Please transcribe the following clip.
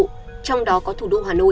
trong đó có thủ đô hà nội